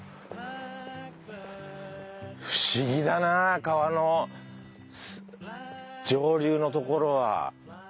不思議だな川の上流のところは。